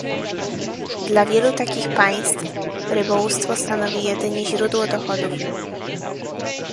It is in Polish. Dla wielu takich państw rybołówstwo stanowi jedyne źródło dochodów